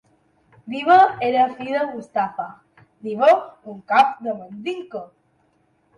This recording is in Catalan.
Dibba era fill de Mustapha Dibba, un cap de Mandinka.